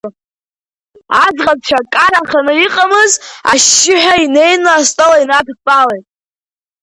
Аӡӷабцәа караханы иҟамыз, ашьшьыҳәа инеины астол инадтәалеит.